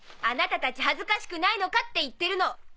あなたたち恥ずかしくないのかって言ってるの！